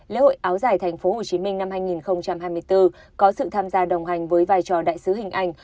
lễ hội áo giải tp hcm năm hai nghìn hai mươi bốn có sự tham gia đồng hành với vai trò đại sứ hình ảnh